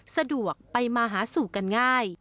สะดวกไปมาหาสู่กันง่าย